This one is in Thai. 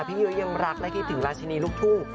ยุ้ยยังรักและคิดถึงราชินีลูกทุ่ง